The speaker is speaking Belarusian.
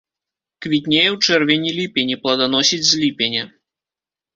Квітнее ў чэрвені-ліпені, пладаносіць з ліпеня.